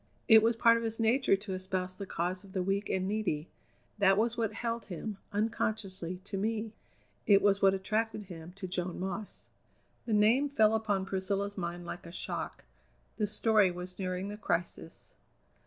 "It was part of his nature to espouse the cause of the weak and needy; that was what held him, unconsciously, to me; it was what attracted him to Joan Moss." The name fell upon Priscilla's mind like a shock. The story was nearing the crisis.